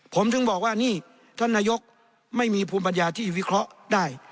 ผมถึงบอกว่านี่ท่านนายกไม่มีภูมิปัญญาที่วิเคราะห์ได้